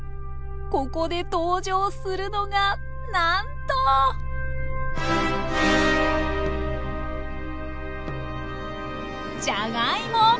ここで登場するのがなんとじゃがいも！